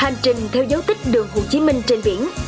hành trình theo dấu tích đường hồ chí minh trên biển